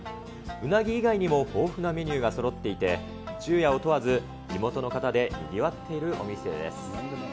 うなぎ以外にも豊富なメニューがそろっていて、昼夜を問わず、地元の方でにぎわっているお店です。